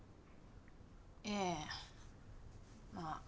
ええまあ。